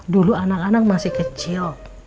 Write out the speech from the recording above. dulu anak anak masih kecil